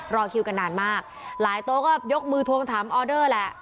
รอคิวกันนานมากหลายโต๊ะก็ยกมือทวงถามออเดอร์แหละ